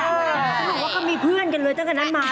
เขาบอกว่าก็มีเพื่อนกันเลยตั้งแต่นั้นมา